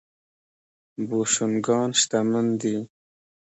بوشونګان شتمن دي.